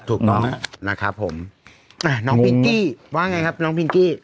ถูกต้องนะครับผมน้องพิงกี้ว่าไงครับน้องพิงกี้